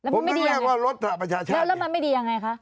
ผมถึงเรียกว่ารถสหประชาชาติแล้วแล้วมันไม่ดียังไงคะ